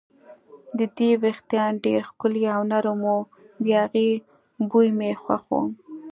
د دې وېښتان ډېر ښکلي او نرم وو، د هغې بوی مې خوښ و.